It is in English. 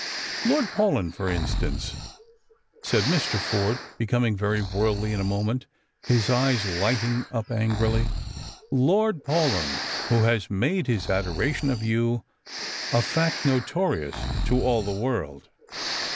" Lord Paulyn, for instance," said Mr. Forde, becoming very worldly minded in a momen1;( his eyes lighting up angrily —■" Lord Paulyn, who has made his adoration of you a fact nok)rious to all the world."